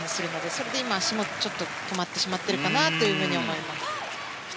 それで今止まってしまってるかなと思います。